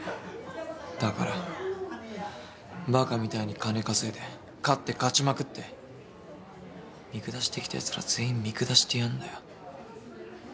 だからばかみたいに金稼いで勝って勝ちまくって見下してきたやつら全員見下してやんだよ。